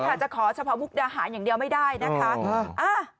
จะขอเฉพาะมุกดาหารอย่างเดียวไม่ได้นะคะ